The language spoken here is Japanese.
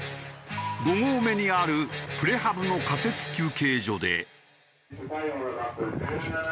５合目にあるプレハブの仮設休憩所で。